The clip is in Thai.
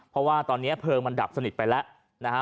เพราะว่าตอนนี้เพลิงมันดับสนิทไปแล้วนะฮะ